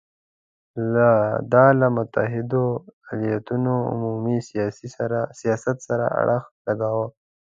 دا له متحدو ایالتونو عمومي سیاست سره اړخ لګاوه.